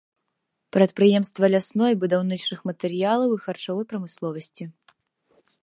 Прадпрыемствы лясной, будаўнічых матэрыялаў і харчовай прамысловасці.